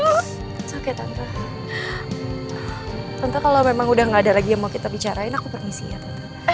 gak apa apa tante tante kalau memang udah gak ada lagi yang mau kita bicarain aku permisi ya tante